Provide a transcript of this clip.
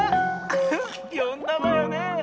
ウフよんだわよね？